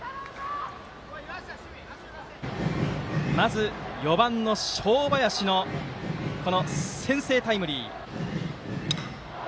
まず、４番の正林の先制タイムリー。